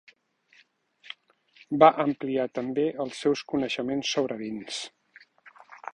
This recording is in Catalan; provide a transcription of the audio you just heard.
Va ampliar també els seus coneixements sobre vins.